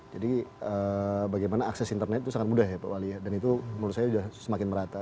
jadi bagaimana akses internet itu sangat mudah ya pak wali ya dan itu menurut saya sudah semakin merata